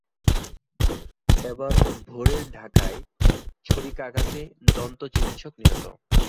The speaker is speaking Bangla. এবার ভোরের ঢাকায় ছুরিকাঘাতে দন্ত চিকিৎসক নিহত